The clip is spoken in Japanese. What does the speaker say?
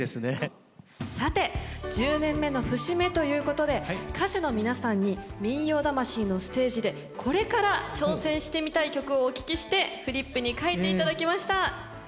さて１０年目の節目ということで歌手の皆さんに「民謡魂」のステージでこれから挑戦してみたい曲をお聞きしてフリップに書いて頂きました。